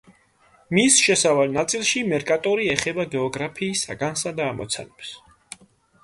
მის შესავალ ნაწილში მერკატორი ეხება გეოგრაფიის საგანსა და ამოცანებს.